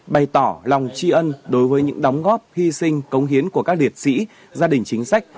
bày tỏ lòng tri ân đối với những đóng góp hy sinh công hiến của các liệt sĩ gia đình chính sách